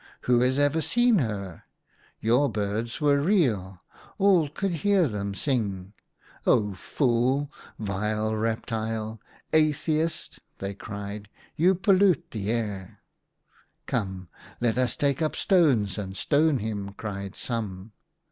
Who has ever seen her ? Your birds were real : all could hear them sing ! Oh, fool ! vile reptile ! atheist !" they cried, " you pollute the air." " Come, let us take up stones and stone him," cried some.